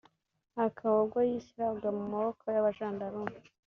akaba ubwo yishyiraga mu maboko y’abajandarume